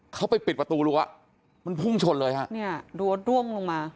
เขาไปปิดประตูลวะมันพุ่งชนเลยฮะเนี่ยดวงลงมา